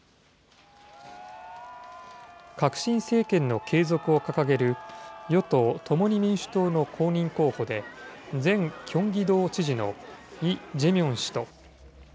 革新政権の継続を掲げる、与党・共に民主党の公認候補で、前キョンギ道知事のイ・ジェミョン氏と。